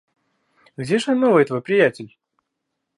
Где же новый твой приятель?